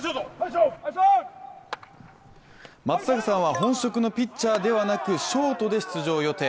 松坂さんは本職のピッチャーではなくショートで出場予定。